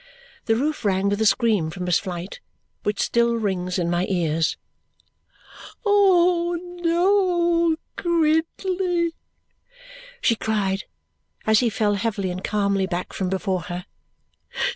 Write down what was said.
The roof rang with a scream from Miss Flite, which still rings in my ears. "Oh, no, Gridley!" she cried as he fell heavily and calmly back from before her.